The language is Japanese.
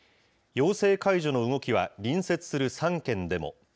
要請解除の動きは、隣接する３県でも。